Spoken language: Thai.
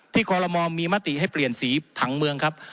คอลโลมอลมีมติให้เปลี่ยนสีผังเมืองครับ